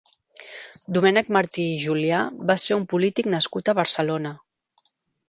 Domènec Martí i Julià va ser un polític nascut a Barcelona.